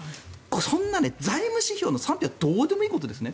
そんな財務指標なんてどうでもいいことですね。